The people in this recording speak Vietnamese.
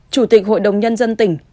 chủ tịch hội đồng nhân dân tỉnh